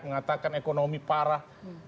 mengatakan ekonomi parah